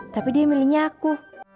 tapi dia milihnya aku